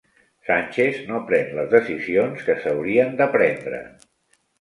Sánchez no pren les decisions que s'haurien de prendre